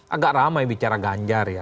agak ramai bicara ganjar ya